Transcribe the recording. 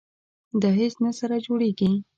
دا هیڅ نه سره جوړیږي.